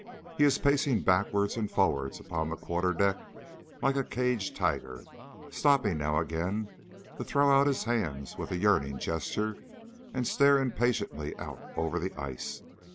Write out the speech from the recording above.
He is pacing backwards and forwards upon the quarterdeck like a caged tiger, stopping now and again to throw out his hands with a yearning gesture, and stare impatiently out over the ice.